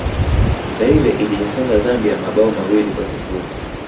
zaire iliifunga zambia mabao mawili kwa sifuri